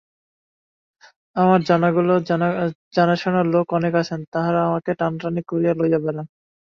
আমার জানাশুনা লোক অনেক আছেন, তাঁহারা আমাকে টানাটানি করিয়া লইয়া বেড়ান।